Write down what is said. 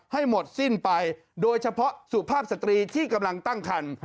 ให้หมดสิ้นไปโดยเฉพาะสุภาพสตรีที่กำลังตั้งคัน